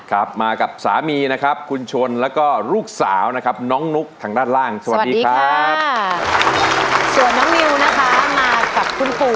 ครับมากับสามีนะครับคุณชนแล้วก็ลูกสาวนะครับ